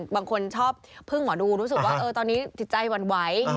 บางคนชอบพึ่งหมอดูรู้สึกว่าตอนนี้จิตใจหวั่นไหว